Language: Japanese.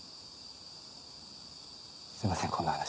すいませんこんな話。